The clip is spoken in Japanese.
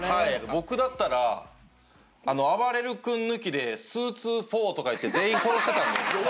僕だったらあばれる君抜きで「スーツ４」とか言って全員殺してたんで。